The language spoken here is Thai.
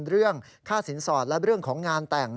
เรื่องค่าสินสอดและเรื่องของงานแต่ง